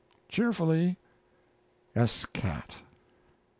Cheerfully, S'CAT.